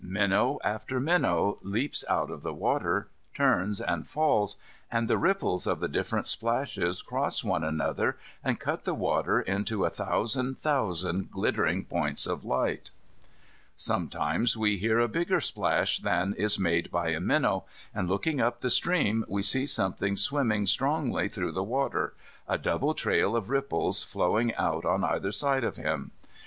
Minnow after minnow leaps out of the water, turns and falls, and the ripples of the different splashes cross one another and cut the water into a thousand thousand glittering points of light. Sometimes we hear a bigger splash than is made by a minnow, and looking up the stream we see something swimming strongly through the water, a double trail of ripples flowing out on either side of him.